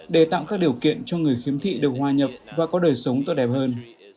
để tạo các điều kiện cho người khiếm thị được hòa nhập và có đời sống tốt đẹp hơn